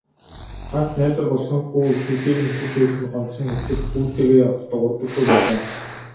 Ганц найдвар болсон хүү итгэлийг нь хөсөрдүүлсэнд гомдсон эцэг хүүтэйгээ огт дуугардаггүй байлаа.